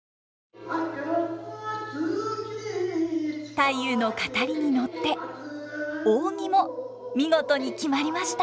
太夫の語りに乗って扇も見事に決まりました。